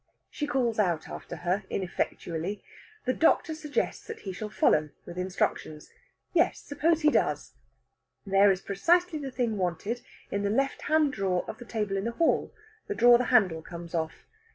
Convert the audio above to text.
She calls after her ineffectually. The doctor suggests that he shall follow with instructions. Yes, suppose he does? There is precisely the thing wanted in the left hand drawer of the table in the hall the drawer the handle comes off.